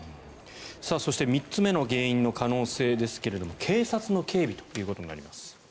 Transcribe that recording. そして３つ目の原因の可能性ですが警察の警備ということになります。